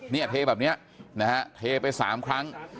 เนี่ยเทแบบเนี่ยนะฮะเทไปสามครั้ง